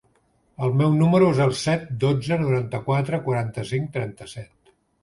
El meu número es el set, dotze, noranta-quatre, quaranta-cinc, trenta-set.